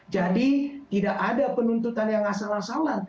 jadi tidak ada penuntutan yang asalan asalan